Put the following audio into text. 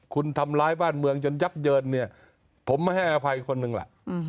คุณทำร้ายบ้านเมืองจนยับเยินเนี่ยผมไม่ให้อภัยคนหนึ่งล่ะ